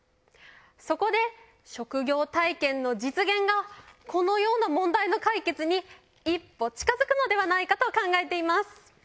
そこで職業体験の実現がこのような問題の解決に一歩近づくのではないかと考えています。